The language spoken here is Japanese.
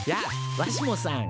わしもさん。